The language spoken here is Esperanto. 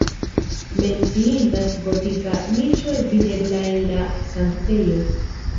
Menciindas gotika niĉo videbla en la sanktejo.